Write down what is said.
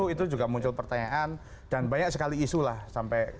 itu juga muncul pertanyaan dan banyak sekali isu lah sampai